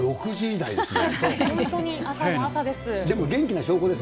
本当に朝も朝です。